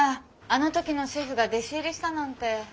あの時のシェフが弟子入りしたなんて。